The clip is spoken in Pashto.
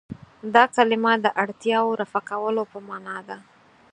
دا کلمه د اړتیاوو رفع کولو په معنا ده.